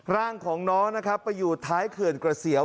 ร่างของน้องนะครับไปอยู่ท้ายเขื่อนกระเสียว